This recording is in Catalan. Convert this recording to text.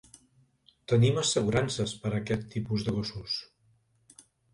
Tenim assegurances per a aquest tipus de gossos.